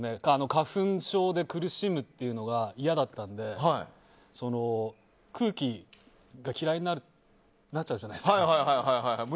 花粉症で苦しむというのが嫌だったので、空気が嫌いになっちゃうじゃないですか。